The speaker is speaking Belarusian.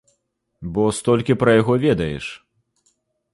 Бо столькі пра яго ведаеш.